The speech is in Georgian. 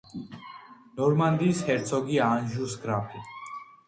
ნორმანდიის ჰერცოგი, ანჟუს გრაფი.